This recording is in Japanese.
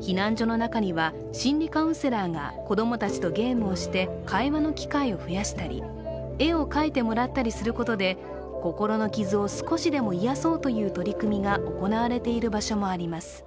避難所の中には心理カウンセラーが子供たちとゲームをして会話の機会を増やしたり絵を描いてもらったりすることで心の傷を少しでも癒やそうという取り組みが行われている場所もあります。